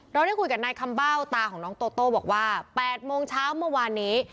ได้คุยกับนายคำเบ้าตาของน้องโตโต้บอกว่า๘โมงเช้าเมื่อวานนี้